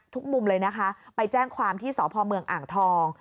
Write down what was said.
มุมเลยนะคะไปแจ้งความที่สพเมืองอ่างทอง